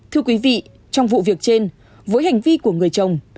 thưa quý vị trong vụ việc trên với hành vi của người chồng